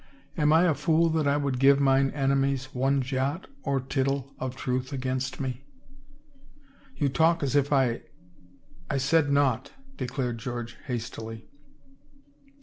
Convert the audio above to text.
Am I a fool that I would give mine ene mies one jot or tittle of truth against me? "" You talk as if I — I said naught," declared George hastily.